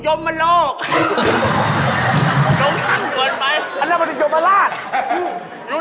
แจกกันอยู่